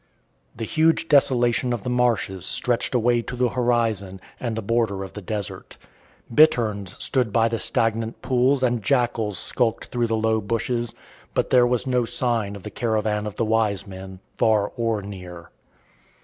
The huge desolation of the marshes stretched away to the horizon and the border of the desert. Bitterns stood by the stagnant pools and jackals skulked through the low bushes; but there was no sign of the caravan of the wise men, far or near.